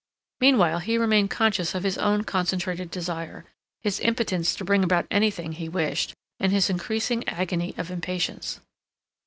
Meanwhile he remained conscious of his own concentrated desire, his impotence to bring about anything he wished, and his increasing agony of impatience.